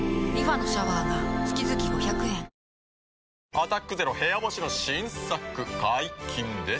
「アタックＺＥＲＯ部屋干し」の新作解禁です。